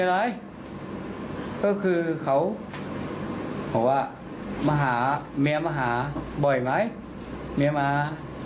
ไว้ก็คือเขาเขาว่ามาหาเมียมาหาบ่อยไหมแม่มะ